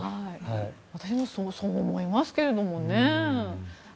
私もそう思いますけどね。